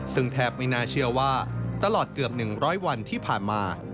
ซึ่งแทบไม่น่าเชื่อว่าตลอดเกือบ๑๐๐วันที่ผ่านมา